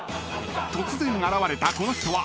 ［突然現れたこの人は］